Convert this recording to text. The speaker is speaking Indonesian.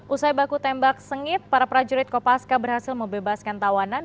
usai baku tembak sengit para prajurit kopaska berhasil membebaskan tawanan